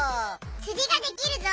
釣りができるぞ！